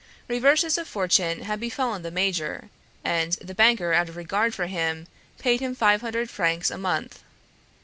Reverses of fortune had befallen the major, and the banker out of regard for him paid him five hundred francs a month.